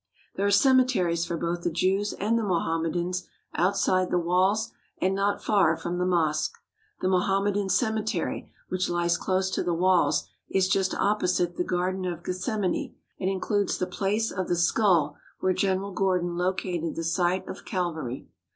There are cemeteries for both the Jews and the Mo hammedans outside the walls and not far from the Mosque. The Mohammedan cemetery, which lies close to the walls, is just opposite the Garden of Gethsemane and includes the Place of the Skull where General Gordon located the site of Calvary.